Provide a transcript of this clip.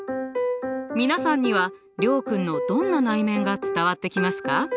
皆さんには諒君のどんな内面が伝わってきますか？